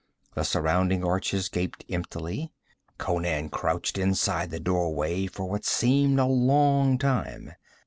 The surrounding arches gaped emptily. Conan crouched inside the doorway for what seemed a long time.